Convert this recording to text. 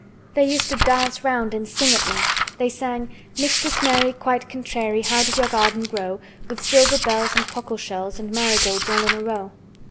"They used to dance round and sing at me. They sang— 'Mistress Mary, quite contrary, How does your garden grow? With silver bells, and cockle shells, And marigolds all in a row.